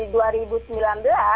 terhadap korban kekerasan seksual